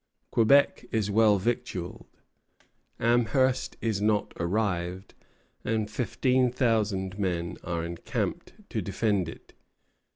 Quebec is well victualled, Amherst is not arrived, and fifteen thousand men are encamped to defend it.